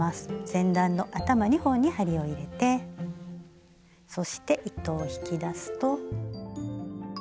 前段の頭２本に針を入れてそして糸を引き出すと。